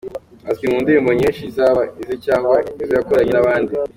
Azwi mu ndirimbo nyinshi zaba ize cyangwa izo yakoranye n’abandi.